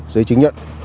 giấy chứng nhận